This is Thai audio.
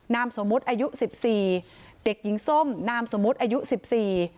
นามสมมุติอายุสิบสี่เด็กหญิงส้มนามสมมุติอายุสิบสี่